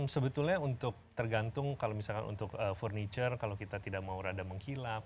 sebetulnya untuk tergantung kalau misalkan untuk furniture kalau kita tidak mau rada mengkilap